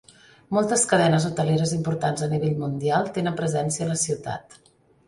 Moltes cadenes hoteleres importants a nivell mundial tenen presència a la ciutat.